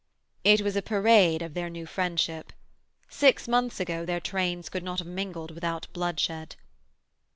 It was a parade of their new friendship. Six months ago their trains could not have mingled without bloodshed.